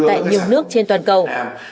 tại nhiều nước trên toàn cầu